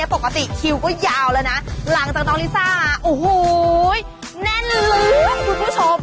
แน่นเลยครับคุณผู้ชม